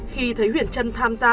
khi thấy huyền trân tham gia